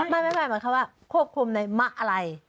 ไม่หมายความว่าควบคุมในมะอะไร